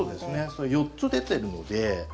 それ４つ出てるので。